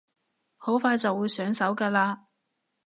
好快就會上手㗎喇